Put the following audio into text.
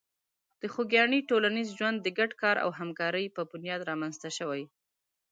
د خوږیاڼي ټولنیز ژوند د ګډ کار او همکاري په بنیاد رامنځته شوی.